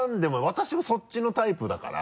私もそっちのタイプだから。